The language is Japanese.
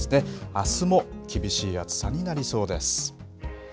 あすも厳しい暑さになりそうです。